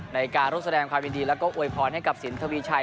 ในการร่วมแสดงความยินดีแล้วก็อวยพรให้กับสินทวีชัย